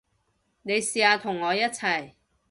你試下同我一齊